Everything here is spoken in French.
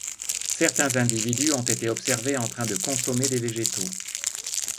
Certains individus ont été observés en train de consommer des végétaux.